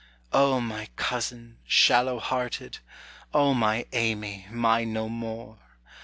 O my cousin, shallow hearted! O my Amy, mine no more!